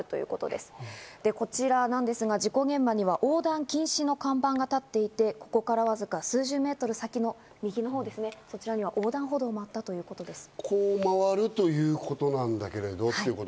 で、こちらなんですが、事故現場には横断禁止の看板が立っていて、ここからわずか数十メートル先の右のほうですね、そちらには横断歩道もあったということです。